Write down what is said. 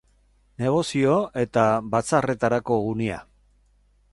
Negozio eta batzarretarako gunea.